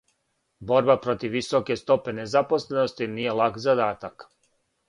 Борба против високе стопе незапослености није лак задатак.